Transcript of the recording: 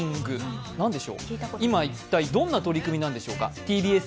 一体どんな取り組みなんでしょうか。